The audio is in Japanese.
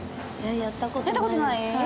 やったことない？